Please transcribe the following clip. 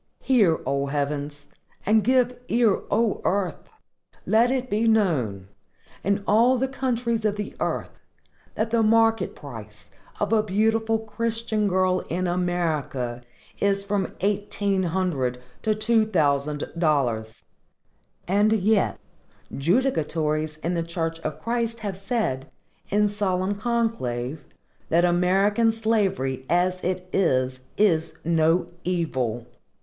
Hear, O heavens! and give ear, O earth! Let it be known, in all the countries of the earth, that the market price of a beautiful Christian girl in America is from EIGHTEEN HUNDRED to TWO THOUSAND DOLLARS; and yet, judicatories in the church of Christ have said, in solemn conclave, that AMERICAN SLAVERY AS IT IS IS NO EVIL!